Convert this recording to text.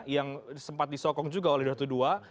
yang sempat disokong juga oleh ratu dua